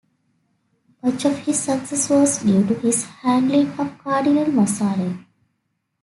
Much of his success was due to his handling of Cardinal Mazarin.